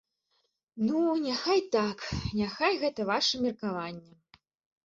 Ну, няхай так, няхай гэта ваша меркаванне.